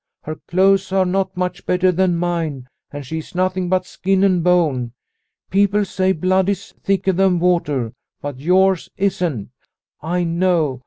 Her clothes are not much better than mine, and she is nothing but skin and bone. People say blood is thicker than water, but yours isn't, I know.